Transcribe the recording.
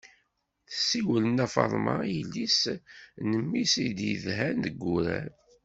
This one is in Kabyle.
Tessiwel nna faḍma i yelli-s n mmi-s i yedhan deg wurar.